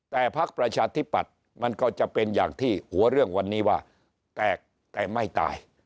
แต่พักประชาธิปัตย์มันก็จะเป็นอย่างที่หัวเรื่องวันนี้ว่าแตกแต่ไม่ตาย